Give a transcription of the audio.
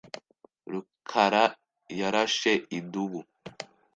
rukarayarashe idubu.